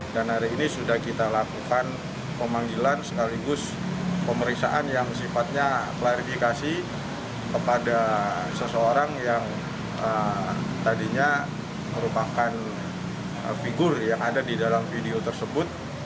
dan hari ini sudah kita lakukan pemanggilan sekaligus pemeriksaan yang sifatnya klarifikasi kepada seseorang yang tadinya merupakan figur yang ada di dalam video tersebut